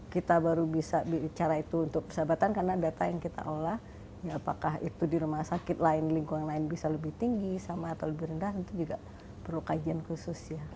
kita baru bisa bicara itu untuk persahabatan karena data yang kita olah apakah itu di rumah sakit lain di lingkungan lain bisa lebih tinggi sama atau lebih rendah itu juga perlu kajian khusus ya